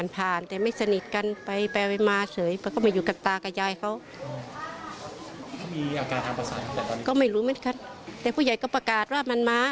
ผ่านแต่ไม่สนิทกันไปไป